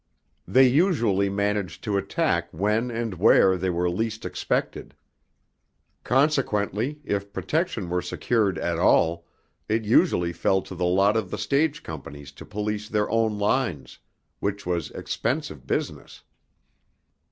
They usually managed to attack when and where they were least expected. Consequently, if protection were secured at all, it usually fell to the lot of the stage companies to police their own lines, which was expensive business.